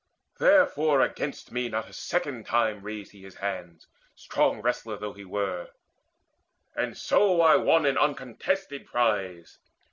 Therefore against me not a second time Raised he his hands, strong wrestler though he were; And so I won an uncontested prize.